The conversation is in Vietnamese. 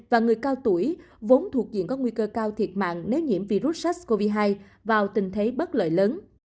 và người cao tuổi vốn thuộc diện có nguy cơ cao thiệt mạng nếu nhiễm virus sars cov hai vào tình thế bất lợi lớn